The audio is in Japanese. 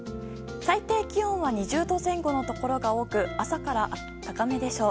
最低気温は２０度前後のところが多く朝から高めでしょう。